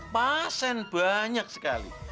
pasen banyak sekali